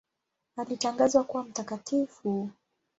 Alitangazwa kuwa mtakatifu.